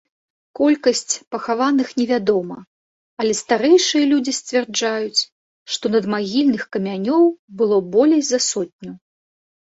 Колькасць пахаваных невядома, але старэйшыя людзі сцвярджаюць, што надмагільных камянёў было болей за сотню.